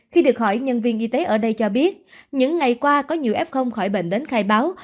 khi được hỏi nhân viên y tế ở đây cho biết những ngày qua có nhiều f khỏi bệnh đến khai báo